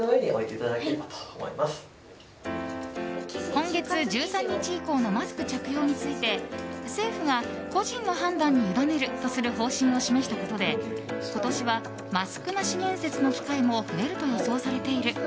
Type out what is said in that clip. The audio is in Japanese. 今月１３日以降のマスク着用について政府が個人の判断に委ねるとする方針を示したことで今年はマスクなし面接の機会も増えると予想されている。